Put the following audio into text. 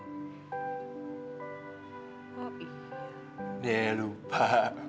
oh iya deh lupa